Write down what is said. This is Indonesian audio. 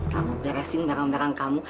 kamu beresin merang merang kamu